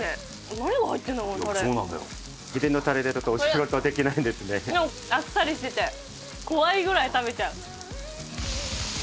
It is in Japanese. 秘伝のタレでちょっと教える事はできないですね。あっさりしてて怖いぐらい食べちゃう。